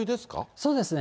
そうですね。